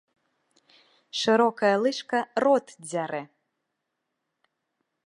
Шырокая лыжка рот дзярэ